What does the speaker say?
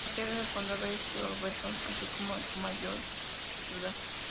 La sede del condado es Georgetown así como su mayor ciudad.